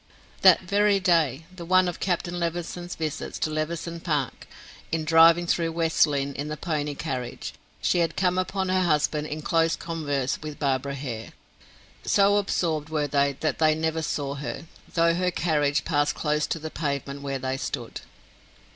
That very day the one of Captain Levison's visit to Levison Park in driving through West Lynne in the pony carriage, she had come upon her husband in close converse with Barbara Hare. So absorbed were they, that they never saw her, though her carriage passed close to the pavement where they stood.